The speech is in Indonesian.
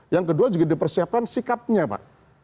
yang kedua juga dipersiapkan sikapnya pak